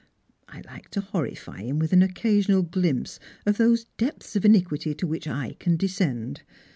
I like to horrify him with an occasional ghmpse of those depths of iniquity to which / can descend.